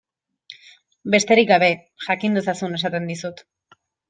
Besterik gabe, jakin dezazun esaten dizut.